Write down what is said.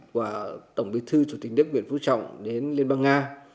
của tổng bí thư chủ tịch đức việt vũ trọng đến liên bang nga